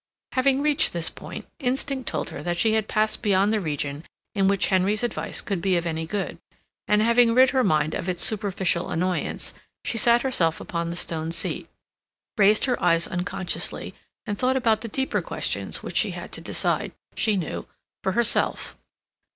Having reached this point, instinct told her that she had passed beyond the region in which Henry's advice could be of any good; and, having rid her mind of its superficial annoyance, she sat herself upon the stone seat, raised her eyes unconsciously and thought about the deeper questions which she had to decide, she knew, for herself.